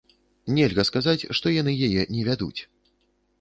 Нельга сказаць, што яны яе не вядуць.